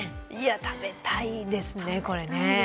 食べたいですね、これね。